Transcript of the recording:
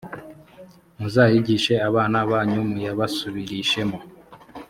muzayigishe abana banyu, muyabasubirishemo